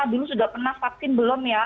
dulu sudah pernah vaksin belum ya